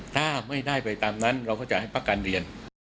ถ้าไม่ได้ไปตามนั้นเราก็จะให้พักการเรียน